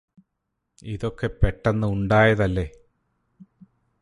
ഇതൊക്കെ പെട്ടന്ന് ഉണ്ടായതല്ലേ